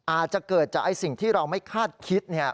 อาจจะเกิดจากสิ่งที่เราไม่คาดคิด